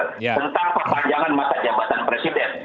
tentang pepanjangan mata jabatan presiden